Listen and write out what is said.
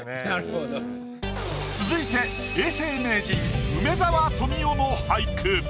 続いて永世名人梅沢富美男の俳句。